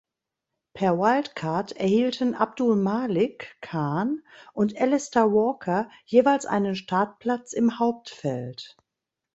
Per Wildcard erhielten Abdul Malik Khan und Alister Walker jeweils einen Startplatz im Hauptfeld.